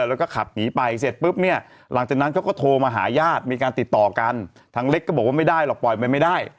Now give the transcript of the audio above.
แล้วก็ขับหนีไปเสร็จปุ๊บเนี่ยหลังจากนั้นเขาก็โทรมาหาญาติมีการติดต่อกันทางเล็กก็บอกว่าไม่ได้หรอกปล่อยไปไม่ได้